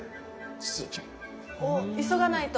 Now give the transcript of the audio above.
お急がないと。